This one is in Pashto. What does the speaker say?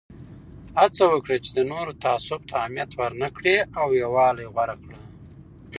هڅه وکړه چې د نورو تعصب ته اهمیت ورنه کړې او یووالی غوره کړه.